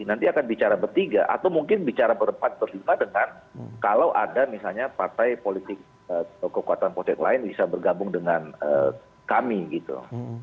nanti akan bicara bertiga atau mungkin bicara berempat berlipat dengan kalau ada misalnya partai politik kekuatan politik lain bisa bergabung dengan kami gitu